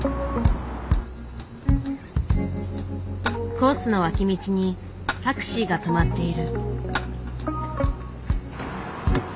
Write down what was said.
コースの脇道にタクシーが止まっている。